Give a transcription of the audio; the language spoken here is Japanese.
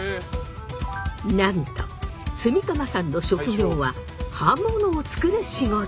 なんと炭竈さんの職業は刃物を作る仕事！